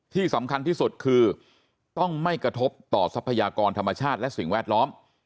ที่สำคัญที่สุดคือต้องไม่กระทบต่อทรัพยากรธรรมชาติและสิ่งแวดล้อม